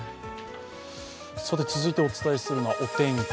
続いてお伝えするのはお天気